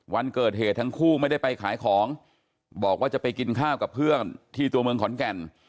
วันเกิดเหตุทั้งคู่ไม่ได้ไปขายของบอกว่าจะไปกินข้าวกับเพื่อนที่ตัวเมืองขอนแก่น